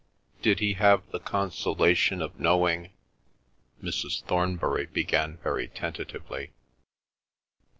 "Did he have the consolation of knowing—?" Mrs. Thornbury began very tentatively.